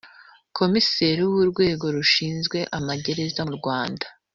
Komiseri w’Urwego rushinzwe amagereza mu Rwanda